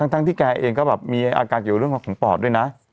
ทั้งที่แกเองก็มีอากาศเกี่ยวกับเรื่องปอดด้วยนะ